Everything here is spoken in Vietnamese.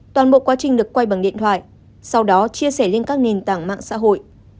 toàn bộ quá trình được quay bằng điện thoại sau đó chia sẻ lên các nền tảng mạng xã hội